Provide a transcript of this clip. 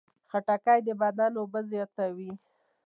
خټکی د بدن اوبه زیاتوي.